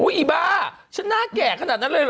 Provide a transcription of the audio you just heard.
อีบ้าฉันน่าแก่ขนาดนั้นเลยเหรอ